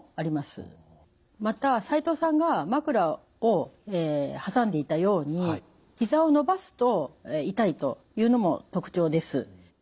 また齋藤さんが枕を挟んでいたようにひざを伸ばすと痛いというのも特徴です。